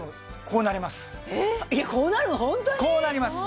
こうなります！